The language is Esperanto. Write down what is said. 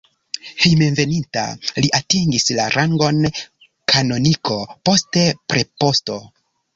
Hejmenveninta li atingis la rangon kanoniko, poste preposto.